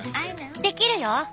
できるよ！